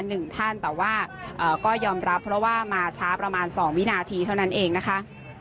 หนึ่งท่านแต่ว่าเอ่อก็ยอมรับเพราะว่ามาช้าประมาณสองวินาทีเท่านั้นเองนะคะ